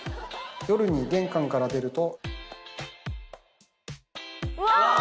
夜に玄関から出ると。